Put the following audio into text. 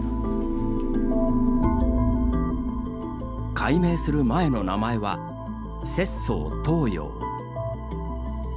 改名する前の名前は拙崇等揚。